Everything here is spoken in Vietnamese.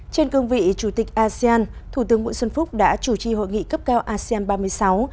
trên cương vị chủ tịch asean thủ tướng nguyễn xuân phúc đã chủ trì hội nghị cấp cao asean ba mươi sáu